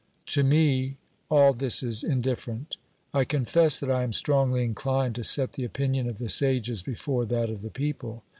To me all this is indifferent. I confess that I am strongly inclined to set the opinion of the sages before that of the people.